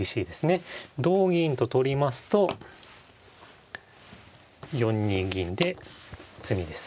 同銀と取りますと４二銀で詰みです。